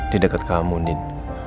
di dekat kamu ndin